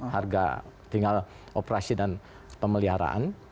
harga tinggal operasi dan pemeliharaan